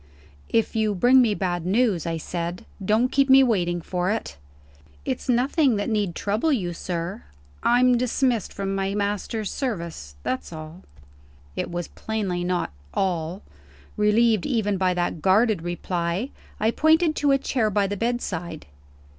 "If you bring me bad news," I said, "don't keep me waiting for it." "It's nothing that need trouble You, sir. I'm dismissed from my master's service that's all." It was plainly not "all." Relieved even by that guarded reply, I pointed to a chair by the bedside.